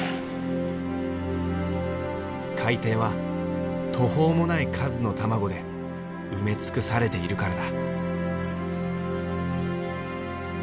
海底は途方もない数の卵で埋め尽くされているからだ。